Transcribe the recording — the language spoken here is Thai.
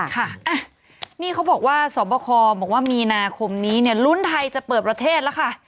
ค่ะนี่เขาบอกว่าสอบคอบอกว่ามีนาคมนี้เนี่ยลุ้นไทยจะเปิดประเทศแล้วค่ะ